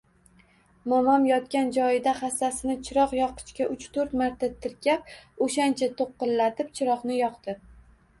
Momom yotgan joyida hassasini chiroq yoqqichga uch-toʻrt marta tirkab, oʻshancha toʻqillatib chiroqni yoqdi.